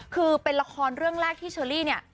คือเป็นละครเรื่องแรกที่เชอรี่เนี่ย